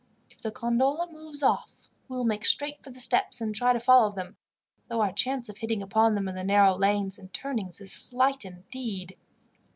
If the gondola moves off, we will make straight for the steps and try to follow them, though our chance of hitting upon them in the narrow lanes and turnings is slight indeed.